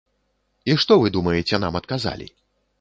І што вы думаеце нам адказалі?